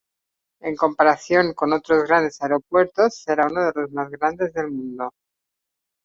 En comparación con otros grandes aeropuertos, será uno de los más grandes del mundo.